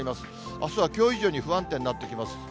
あすはきょう以上に不安定になってきます。